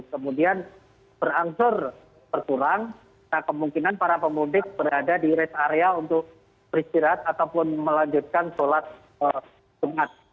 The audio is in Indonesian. kemudian berangsur berkurang nah kemungkinan para pemudik berada di rest area untuk beristirahat ataupun melanjutkan sholat jumat